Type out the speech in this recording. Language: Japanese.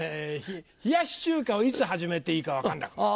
冷やし中華をいつ始めていいか分かんなくなる。